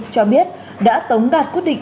cho biết đã tống đạt quyết định